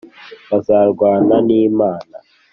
Bazarwanana n`Imana